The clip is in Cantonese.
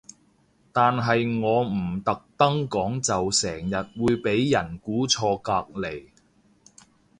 但係我唔特登講就成日會俾人估錯隔離